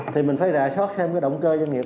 thì mình phải rà soát xem cái động cơ doanh nghiệp